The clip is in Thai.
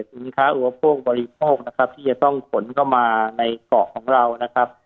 สินค้าอุปโภคบริโภคนะครับที่จะต้องขนเข้ามาในเกาะของเรานะครับ